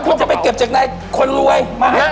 คุณจะไปเก็บจากไหนคนรวยมาแจกคน